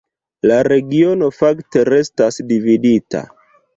La regiono fakte restas dividita.